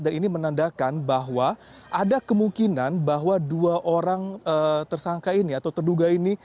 dan ini menandakan bahwa ada kemungkinan bahwa dua orang tersangka ini atau terduga ini